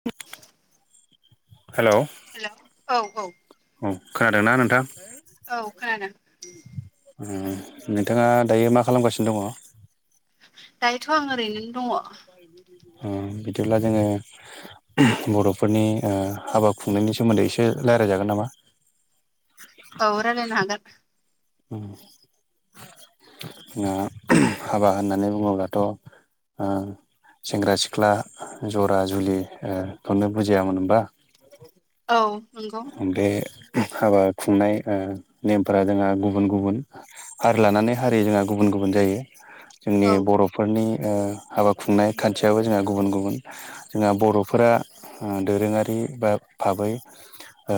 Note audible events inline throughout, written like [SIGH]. [INAUDIBLE] हेल' hello औ औ औ खोनादोंना नोंथां। औ खोनादों। नोंथाङा दायो मा खालामगासिनो दङ। दायोथ' आं ओरैनो दङ। बिदिब्ला जोङो बर'फोरनि हाबा खुंनायनि सोमोन्दै एसे रायज्लायजागोन नामा। औ रायलायनो हागों हाबा होननानै बुङोब्लाथ' सेंग्रा सिख्ला जरा जुलिखौनो बुजियामोन होनबा औ नंगौ। बे हाबा खुंनाय नेमफोरा जोंहा गुबुन गुबुन हारि लानानै हारि जोंहा गुबुन गुबुन जायो जोंनि औ बर' फोरनि हाबा खुंनाय खान्थियाबो जोंहा गुबुन गुबुन जोंहा बर'फोरा दोरोङारि भाबै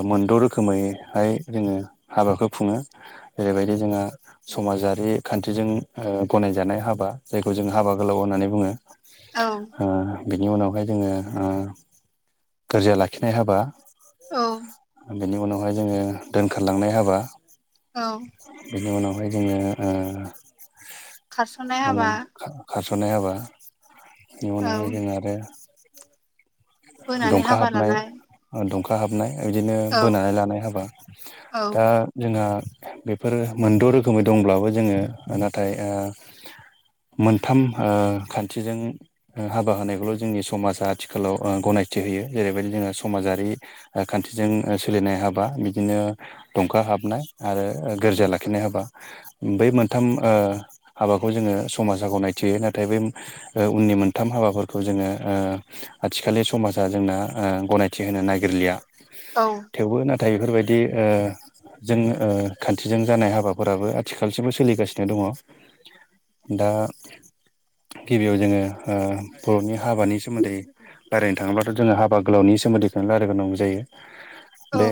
मोनद' रोखोमैहाय जोङो हाबाखौ खुङो जेरैबायदि जोंहा समाजारि खान्थिजों गनायजानाय हाबा जायखौ जों हाबा गोलाव होननानै बुङो औ। बिनि उनावहाय जोङो गोरजा लाखिनाय हाबा औ। बेनि उनावहाय जोङो दोनखारलांनाय हाबा औ। बेनि उनावहाय जोङो खारसननाय मा होनो। हाबा खारस'नाय हाबा बेनि औ उनावहाय जों आरो बोनानै हाबा लानाय दुंखा हाबनाय बिदिनो औ बोनानै लानाय हाबा औ दा जोंहा बेफोरो मोनद' रोखोमै दंब्लाबो जोङो नाथाय मोनथाम खान्थिजों हाबा होनायखौल' जोंनि समाजा आथिखालाव गनायथि होयो जेरैबायदि जोङो समाजारि खान्थिजों सोलिनाय हाबा बिदिनो दंखा हाबनाय आरो गोरजि लाखिनाय होबा बै मोनथाम हाबाखौ जोङो समाजा गनायथियो नाथाय बै उननि मोनथाम हाबाफोरखौ जोङो आथिखालनि समाजा जोंना गनायथि होनो नागिरलिया औ थेवबो नाथाय बेफोरबायदि जों खान्थिजों जानाय हाबाफोराबो आथिखालसिमबो सोलिगासिनो दङ। दा गिबियाव जोङो बर'नि हाबानि सोमोन्दै रायलायनो थाङोब्लाथ' जोङो हाबा गोलावनि सोमोन्दैखौनो रायलाय्रोनांगौ जायो औ बे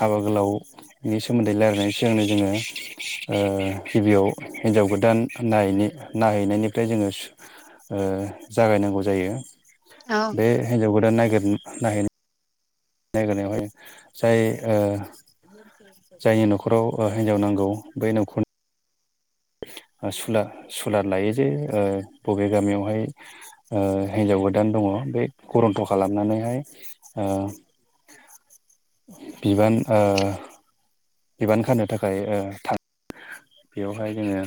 हाबा गोलावनि सोमोन्दै रायजलायनायनि सिगांनो जोङो गिबियाव हिनजाव गोदान नायनि नायहैनायनिफ्राय जोङो जागायनांगौ जायो औ बे हिनजाव गोदान नागिरनाहैनाय नायगोनायावहाय जाय ओ जायनि न'खराव हिनजाव नांगौ बेै न'खरनि सुला सुलार लायै लायै ओ बबे गामियावहाय हिन्जाव गोदान दङ बे गुरन्थ' खालामनानैहाय बिबान ओ बिबान खानो थाखाय थाङो बेवहाय जोङो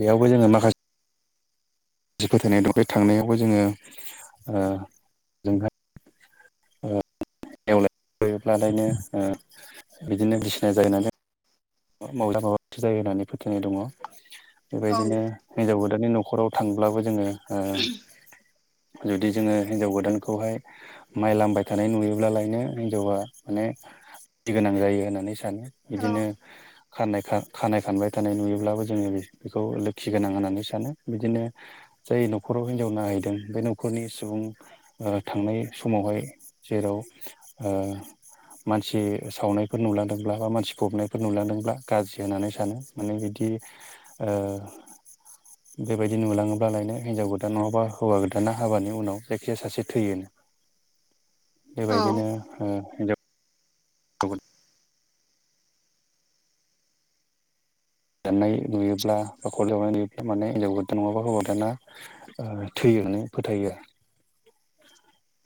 बेयावबो जोङो माखास फोथायनाय दं बे थांनायावबो जोङो ओ जोंहाय ओ नेवलाय ब्लालायनो बिदिनो ओ बिदिनो सिनाय जायोना जाया माबा माबा जायो होननानै फोथायनाय दङ औ बेबायदिनो हिनजाव गोदानानि न'खराव थांब्लाबो जोङो जुदि जोङो हिनजाव गोदानखौहाय माइ लामबाय थानाय नुयोब्लालायनो हिनजावा माने गोनां जायो होननानै सानो। दानो औ बिदिनो खानाय खा खानाय खानबाय थानाय नुयोब्लाबो जोङो बे बेखौ लोखि गोनां होननानै सानो बिदिनो। जाय न'खराव हिनजाव नायहैदों बे न'खरनि सुबुं। ओ थांनाय समावहाय जेराव ओ। मानसि सावनायफोर नुलांदोंब्ला बा मानसि फबनाय। फोर नुलांदोंब्ला गाज्रि होननानै सानो माने बिदि ओ। बेबायदि नुलाङोब्लालायनो हिन्जाव गोदान नङाबा हौवा गोदाना हाबानि उनाव जायखिजाया सासे थैयोनो। औ ओ बेबायदिनो ओ हिनजाव। दाननाय नुयोब्ला बा हाखर जावनाय नुयोब्ला माने हिनजाव गोदान नङाबा हौवा गोदाना। ओ थैयो होननानै फोथायो आरो।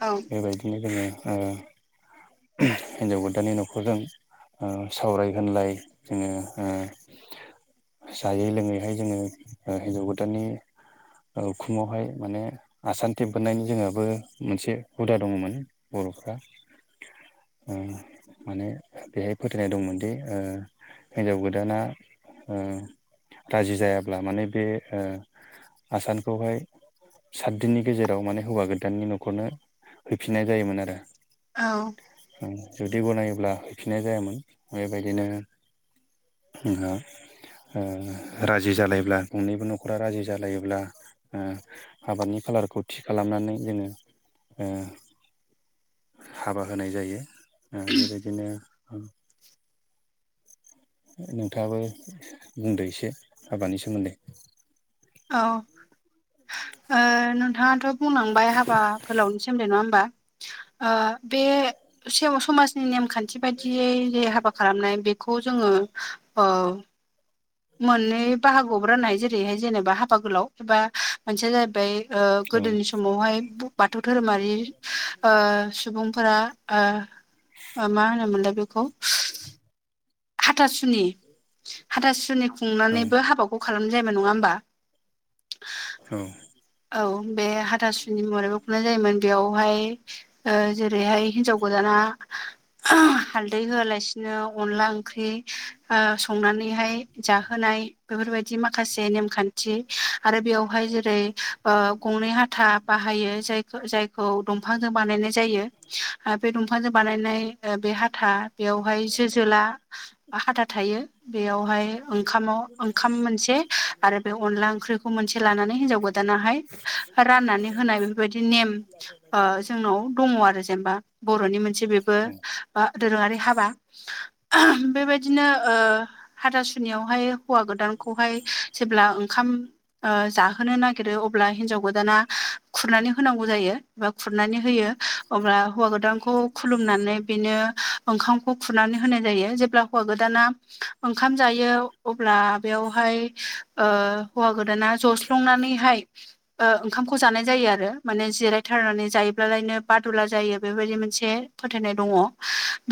औ। बेबायदिनो जोङो ओ हिन्जाव गोदाननि न'खरजों। ओ सावराय होनलाय जोङो ओ। जायै लोङैहाय जोङो ओ हिन्जाव गोदाननि। उखुमावहाय माने आसान थेब बोनायनि जोंहाबो मोनसे। हुदा दङमोन बर'फ्रा। उम माने बेहाय फोथायनाय दंमोनदि ओ। हिनजाव गोदाना ओ राजि जायाब्ला माने बे ओ। आसानखौहाय सात दिननि गेजेराव माने हौवा गोदाननि न'खरनो। हैफिननाय जायोमोन आरो। औ। जुदि गनायोब्ला हैफिननाय जायामोन बेबायदिनो। बिा [UNINTELLIGIBLE] ओ राजि जालायोब्ला गंनैबो न'खरा राजि जालायोब्ला ओ। आबादनि खालारखौ थि खालामनानै जोङो। ओ हाबा होनाय जायो ओ बेबायदिनो। नोंथाङाबो बुंदो एसे हाबानि सोमोन्दै। औ ओ नोंथाङाथ'। बुंलांबाय हाबा गोलावनि सोमोन्दै नङा होमबा। ओ बे समाजनि नेम। खान्थि बायदियै जे हाबा खालामनाय बेखौ जोङो औ। मोननै बाहागोआव राननाय जेरैहाय जेनेबा हाबा गोलाव एबा मोनसेया जाहैबाय। ओ औ गोदोनि समावहाय। बाथौ धोरोमारि ओ सुबुंफोरा ओ। मा होनोमोनलाय बेखौ। हाथासुनि हाथासुनि खुंनानैबो औ हाबा। खौ खालाम जायामोन नङा होमबा। औ। औ बे हाथासुनि महरैबो खुंनाय जायोमोन बेयावहाय। ओ जेरैहाय हिनजाव गोदाना हालदै होआलासिनो। बिदिनो अनला ओंख्रि ओ संनानैहाय जाहोनाय बेफोरबायदि माखासे नेमखा न्थि आरो बेयावहाय जेरै ओ गंनै हाथा। बाहायो जाय जायखौ दंफांजों बानायनाय जायो बे दंफांजों बानायनाय। ओ बे हाथा बेयावहाय जो जोला हाथा थायो बेयावहाय। ओंखामाव ओंखाम मोनसे आरो बे अनला ओंख्रिखौ मोनसे लानानै हिनजाव गोदानाहाय। राननानै होनाय बेफोरबायदि नेम ओ जोंनाव। दङ आरो जेनेबा बर'नि मोनसे बेबो। औ ओ दोरोङारि हाबा बेबायदिनो ओ हाथासुनियावहाय। हौवा गोदानखौहाय जेब्ला ओंखाम ओ जाहोनो नागिरो अ अब्ला हिन्जाव गोदाना खुरनानै होनांगौ जायो एा खुरनानै होयो अब्ला हौवा गोदानखौ खुलुमनानै बेनो ओंखामखौ खुरनानै होनाय जायो जेब्ला हौवा गोदाना ओंखाम जायो अब्ला बेयावहाय हौवा गोदाना जस्लंनानैहाय ओंखामखौ जानाय जायो आरो माने जिरायथारनानै जायोब्लालायनो बादुला जायो बेबायदि मोनसे फोथायनाय दङ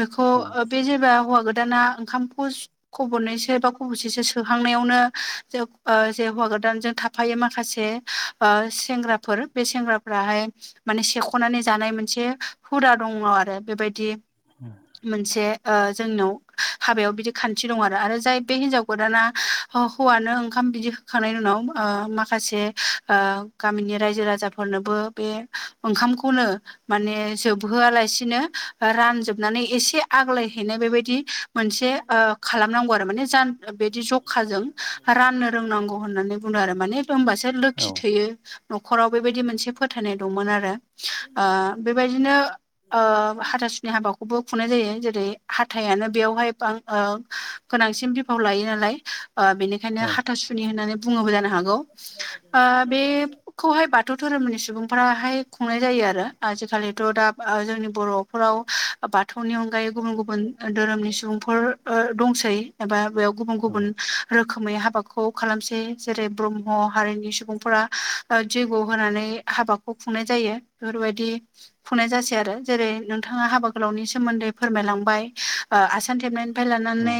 बेखौ बे जेबा हौवा गोदाना ओंखामखौ खबरनैसो बा खब'सेसो स सोखांनायावनो जे जे हौवा गोदानजों थाफायो माखासे सेंग्राफोर बे सेंग्राफ्राहाय माने सेख'नानै जानाय मोनसे हुदा दङ आरो बेबायदि मोनसे जोंनाव हाबायाव बिदि खान्थि दं आरो आरो जाय बे हिनजाव गोदाना हौवानो ओंखाम बिदि होखांनायनि उनाव माखासे गामिनि रायजो राजाफोरनोबो बे ओंखामखौनो माने जोबहोआ लासिनो रानजोबनानै एसे आग्लाय नो बेबायदि मोनसे खालामनांगौ आरो माने ज बेदि जखाजों राननो रोंनांगौ होननानै बुंदों आरो माने होनबासो लोखि न'खराव बेबायदि मोनसे फोथायनाय दंमोन आरो बेबायदिनो आ हाथ आसासुनि हाबाखौबो खुंनाय जायो जेरै हााइानो बेयावहाय गोनांसिन बिफाव लायो नालाय बेनिखायनो हाथासुनि होननानै बुङोबबो जानो हागौ बे खौहाय बाथौ धोरोमनि सुबुंफ्राहाय खुंनाय जायो आरो आजिखालिथ' दा जोंनि बर'फोराव बाथौनियाव गायै गुबुन गुबुन धोरोमनि सुबुंफोर दंसै एबा बेयाव गुबुन गुबुन रोखोमै हाबाखौ खालामसै जेरै ब्रह्म हारिनि सुबुं सुबुंफोरा जैग' होनानै हाबाखौ खुंनाय जायो बेफोरबायदि खुंनाय जासै आरो जेरै नोंथाङा हाबा गोलावनि सोमोन्दै फोरमायलांबाय आसान थेबनायनिफ्राय लानानै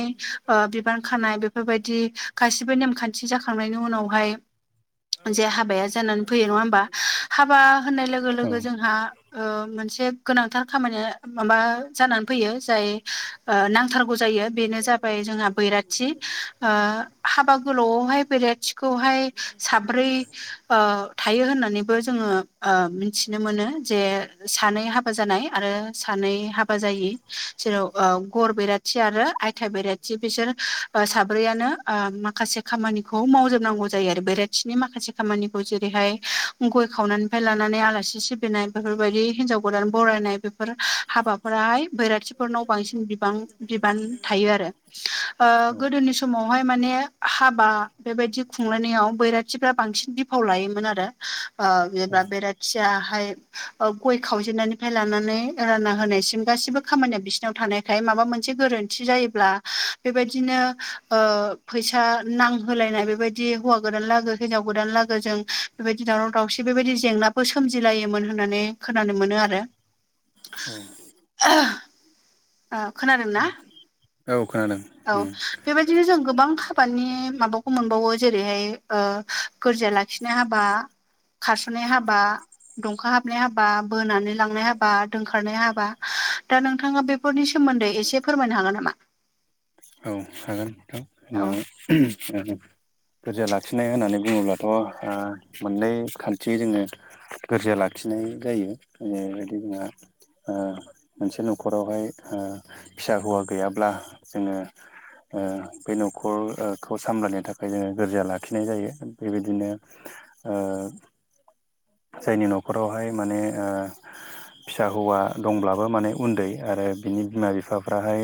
बिबान खानाय बेफोरबायदि गासिबो नेमखान्थि खओथि जाखांनायनि उनावहाय जे हाबाया जानानै फैयो नङा होमबा हाबा होननाय लोगो लोगो जोंहा मोनसे गोनांथार खामानिया माबा जानानै फैयो जाय नांथारग ज बेनो जाबाय जोंहा बैराथि हाबा गोलावआवहाय बैरथि खौहाय साब्रै थायो होननानैबो जोङो मिथिनो मोनो जे सानै हाब फोजानाय आरो सानै हाबा ज जेर ग बेराथि आरो आइथ बेराथि बिसोर माब्रैआानो माखासे खामानिखौ मावजोबनांगौ जायो आरो बेर खा बिनि माखासे खामानिखौ जेरैहाय गय खावनायनिफ्राय लानानै आलासि सिबिनाय बेफोरबायदि हिनजाव गोदान बरायनाय बेफोर हाबा ाय बैरागथिफोरनाव बांसिन बिबान थायो आरो गोोनि सम समावहाय माने हाबा बेबायदि खुंलायनायाव बैराथिफ्रा बांसिन बिफाव लायोमोन आरो। आ बे बा बेेराय जखियाहाय गय खावजेनन्नायनिफ्राय लानानै राना होनायसिम गासिबो खामानिया बिसिनाव थानाय बेखाय माबा मोनसे गोरोन्थि जायोब्ला बेबायदिनो ओ फैसा नांहोलायनाय बेबायदि हौवा गोदान लागो हिनजाव गोदान लोगो जों बेबायदि दावराव दावसि बेबायदि जेंनाफोर सोमजिलायोमोन होननानै खोनानो मोनो आरो। औ ओ खोनादोंना? औ खोनादों औ उम बेबायदिनो जों गोबां हाबानि माबाखौ मोनबावो जेरैहाय ओ गोरजा ला खिनाय हाबा, खारस'नाय हाबा, दंखा हाबनाय हाबा, बोनानै लांनाय हाबा, दोनखारनाय हाबा दा नोंथाङा बे फोरनि सोमोन्दै एसे फोरमायनो हागोन नामा? औ हागोन औ नोंथां ओ गोरजिया लाखिनाय होननानै बुङोब्लाथ' ओ मोननै खान्थि जोङो गोरजा लाखिनाय जायो जेरैबायदि जोंहा ओ मोनसे न'खरावहाय ओ फिसा हौवा गैयाब्ला जोङो ओ बे न'खरखौ सामलायनो थाखाय जोङो गोरजा लाखिनाय जायो बेबायदिनो ओ जायनि न'खरावहाय माने ओ फिसा हौवा दंब्लाबो माने उन्दै आरो बिनि बिमा बिफाफ्राहाय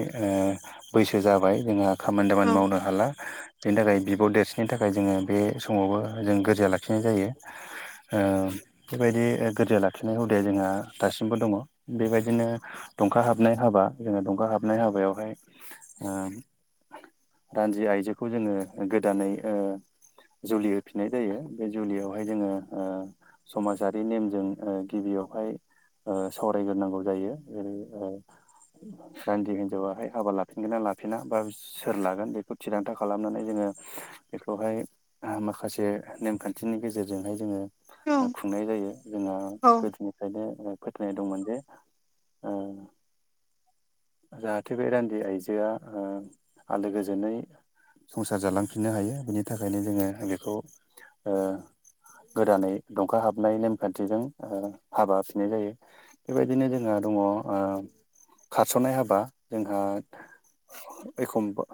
ओ बैसो जाबाय जोंहा खामानि दामानि औ मावनो हाला। बेनि थाखाय बिब' देरसिननो थाखाय जोङो बे समावबो जों गोरजा लाखिनाय जायो। ओ बेबायदि ओ गोरजा लाखिनाय हुदाया जोंहा दासिमबो दङ। बेबायदिनो दंखा हाबनाय हाबा जोङो दंखा हाबनाय हाबायावहाय ओ रान्जि आइजोखौ जोङो गोदानै ओ जुलि होफिननाय जायो बे जुलियावहाय जोङो ओ समाजारि नेमजों ओ गिबियावहाय ओ सावरायगोरनांगौ जायोै ओ रान्दि हिनजावाहाय हाबा ला फिनगोन ना लाफिना बा सोर लागोन बेखौ थिरांथा खालामनानै जोङो बेखौहाय आं माखासे नेमखान्थिनि गेजेरजोंहाय जोङो खुंनाय जायो जोंना औ गोदोनिफ्रायनो फोथायनाय दंमोन जे ओ जाहाथे बे रान्दि आइजो जोआ ओ आलो गोजोनै संसार जालांफिननो हायो बिनि थाखायनो जोङो बेखौ ओ गोदानै दंखा हाबनाय नेमखान्थिजों ओ हाबा फिनाय जायो। बेबायदिनो जोंहा दङ खारसननाय हाबा जोंहा ओ एखमबा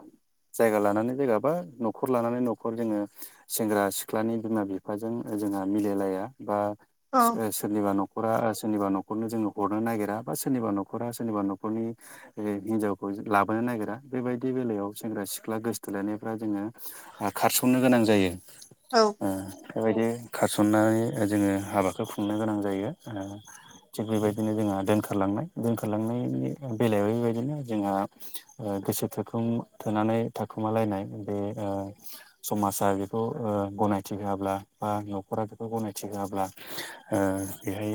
जायगा लानानै जायगा बा न'खर लानानै न'खर जोङो सेंग्रा सिख्लानि बिमा बिफाजों जोंहा मिलायलाया बा औ ओससो सोरनिबा न'खरा सोरनिबा नखरनो जोङो हरनो नागिरा बा सोरनिबा न'खरा सोरनिबा न'खरनि ओरै हिनजावखौ लाबोनो नागिरा बेबायदि बेलायाव सेंग्रा सिख्ला गोसथोलायनायफ्रा जोङो ओ खारसननो गोनां जायो। औ ओ बेबायदि खारसननानै जोङो हाबाखौ खुंनो गोनां जायो। ओ थिग बेबायदिनो जोंहा दोनखारलांनाय दोनखारलांनायनि बेलायाव बेबायदिनो जोंहा गोसो ओ थोखोम थोनानै थाखुमालायनाय बे ओ समाजा बेखौ ओ गनायथि होआब्ला बा न'खरा बेखौ गनायथि होआब्ला ओ बेहाय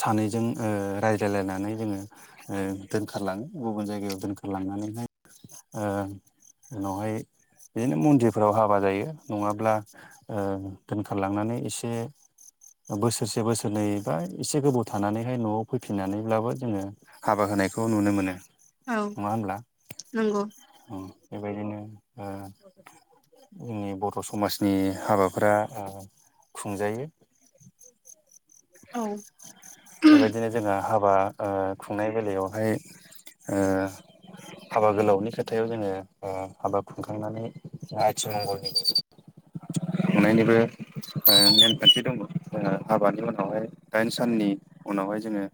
सानैजों ओ रायज्लायलायनानै जोङो ओ दोन दोनखारलाङो गुबुन जायगायाव दोनखारलांनानैहाय ओ उनावहाय बिदिनो मन्दिरफोराव हाबा जायो नङाब्ला ओ दोनखारलांनानै एसे बोसोरसे बोसोरनै बा एसे गोबाव थानानैहाय न'आव फैफिननानैब्लाबो जोङो। हाबा होनायखौ नुनो मोनो औ नङा होमब्ला? नंगौ ओम बेबायदिनो ओ जोंनि बर समाजनि हाबाफ्रा ओ खुंजायो। औ बेबायदिनो जोंहा हाबा ओ खुंनाय बेलायावहाय ओ हाबा गोलावनि खोथायाव जोङो हाबा खुंखांनानै आथि मंगलनि खुंनायनिबो ओ नेमखान्थि दङ ओ हाबानि उनावहाय दाइन साननि उनावहाय जोङो